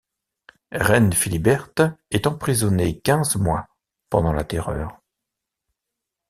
Reine Philiberte est emprisonnée quinze mois pendant la Terreur.